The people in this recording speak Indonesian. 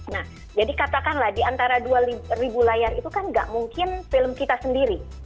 nah jadi katakanlah diantara dua ribu layar itu kan nggak mungkin film kita sendiri